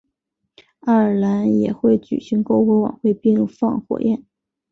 爱尔兰也会举行篝火晚会并放焰火。